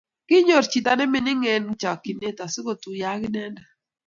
Kinyor chito nemining eng chakchinet asigotuiyo ak inendet